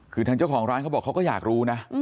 คือทางเจ้าของร้านเขาบอกเขาก็อยากรู้นะ